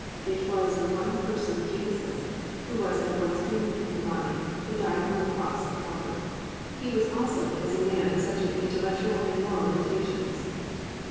It was the one Person Jesus who was at once human and divine, who died upon the cross of Calvary. 2. _He was also, as a man subject to intellectual and moral limitations.